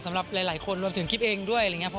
สำหรับหลายหลายคนรวมถึงคิดเองด้วยอะไรอย่างเงี้ย